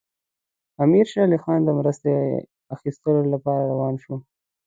امیر شېر علي خان د مرستې اخیستلو لپاره روان شو.